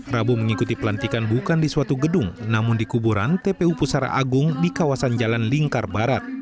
rabu mengikuti pelantikan bukan di suatu gedung namun di kuburan tpu pusara agung di kawasan jalan lingkar barat